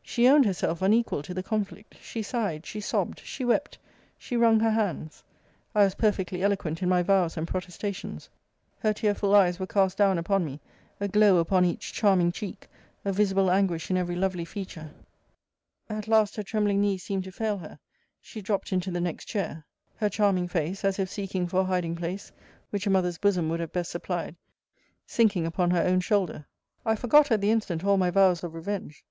She owned herself unequal to the conflict. She sighed. She sobbed. She wept. She wrung her hands. I was perfectly eloquent in my vows and protestations. Her tearful eyes were cast down upon me; a glow upon each charming cheek; a visible anguish in every lovely feature at last, her trembling knees seemed to fail her, she dropt into the next chair; her charming face, as if seeking for a hiding place (which a mother's bosom would have best supplied) sinking upon her own shoulder. I forgot at the instant all my vows of revenge.